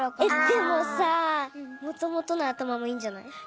でもさ元々の頭もいいんじゃない？